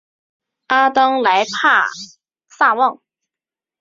阿当莱帕萨旺。